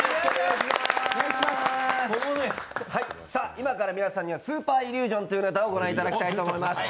今から皆さんにはスーパーイリュージョンというネタを御覧いただきます。